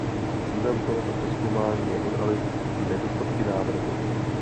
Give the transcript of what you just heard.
Cílem tohoto přezkoumání je odhalit nedostatky návrhu.